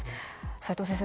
齋藤先生